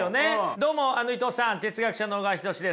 どうも伊藤さん哲学者の小川仁志です。